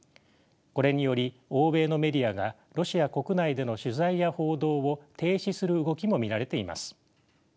これにより欧米のメディアがロシア国内での取材や報道を停止する動きも見られています。